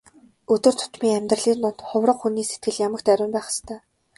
Өдөр тутмын амьдралын дунд хувраг хүний сэтгэл ямагт ариун байх ёстой.